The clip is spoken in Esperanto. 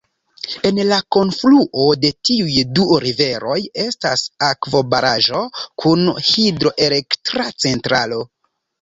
En la kunfluo de tiuj du riveroj estas akvobaraĵo kun hidroelektra centralo.